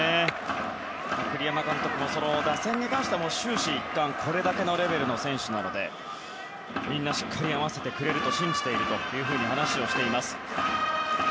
栗山監督も打線に関しては終始一貫これだけのレベルの選手なのでみんなしっかり合わせてくれると信じていると話しています。